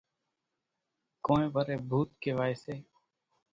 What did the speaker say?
ڪونئين وريَ ڀوُت ڪيوائيَ سي۔